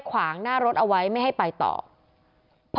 กระทั่งตำรวจก็มาด้วยนะคะ